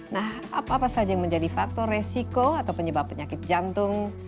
nah apa apa saja yang menjadi faktor resiko atau penyebab penyakit jantung